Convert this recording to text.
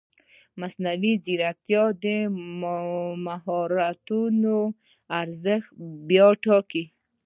مصنوعي ځیرکتیا د مهارتونو ارزښت بیا ټاکي.